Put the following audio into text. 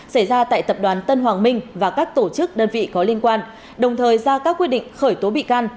xảy ra tại tập đoàn tân hoàng minh và các tổ chức đơn vị có liên quan đồng thời ra các quyết định khởi tố bị can